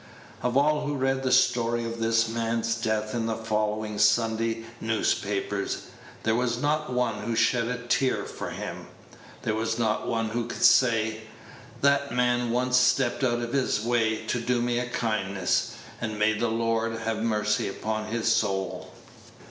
Of all who read the story of this man's death in the following Sunday's newspapers, there was not one who shed a tear for him; there was not one who could say, "That man once stepped out of his way to do me a kindness; and may the Lord have mercy upon his soul!"